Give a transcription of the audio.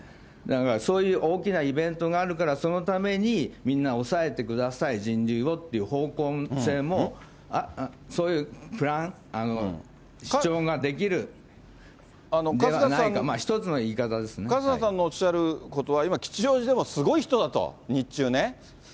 そういう大きなイベントがあるから、そのためにみんな抑えてください、人流をっていう方向性も、そういうプラン、主張ができるんではないか、春日さんのおっしゃることは、今、吉祥寺でもすごい人だと、日中ね。